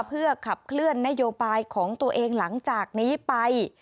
เพื่อขับเคลื่อนนโยบายของตัวเองหลังจากนี้ไป